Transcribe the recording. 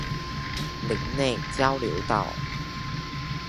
林內交流道